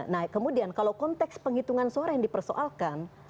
nah kemudian kalau konteks penghitungan suara yang dipersoalkan